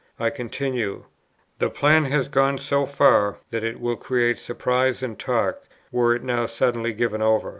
I continue: "The plan has gone so far, that it would create surprise and talk, were it now suddenly given over.